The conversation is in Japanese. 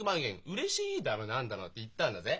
うれしい」だの何だのって言ったんだぜ。